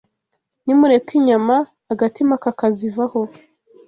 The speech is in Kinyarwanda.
Nimureka inyama, agatima kakazivaho